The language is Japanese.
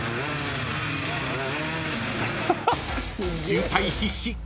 ［渋滞必至！］